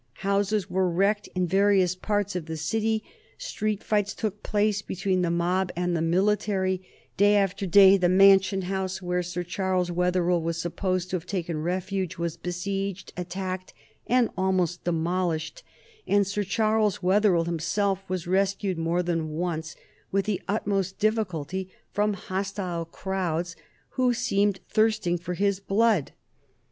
Houses were wrecked in various parts of the city; street fights took place between the mob and the military, day after day; the Mansion House, where Sir Charles Wetherell was supposed to have taken refuge, was besieged, attacked, and almost demolished, and Sir Charles Wetherell himself was rescued, more than once, with the utmost difficulty from hostile crowds who seemed thirsting for his blood.